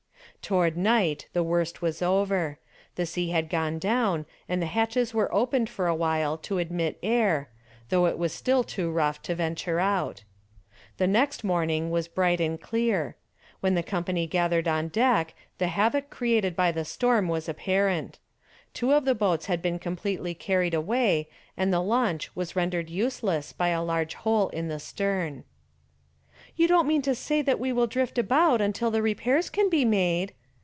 Toward night the worst was over. The sea had gone down and the hatches were opened for a while to admit air, though it was still too rough to venture out. The next morning was bright and clear. When the company gathered on deck the havoc created by the storm was apparent. Two of the boats had been completely carried away and the launch was rendered useless by a large hole in the stern. "You don't mean to say that we will drift about until the repairs can be made?"